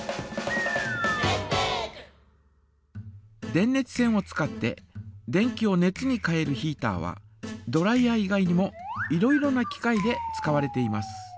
電熱線を使って電気を熱に変えるヒータはドライヤー以外にもいろいろな機械で使われています。